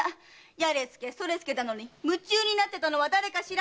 「やれ突けそれ突け」だのに夢中になってたのは誰かしら？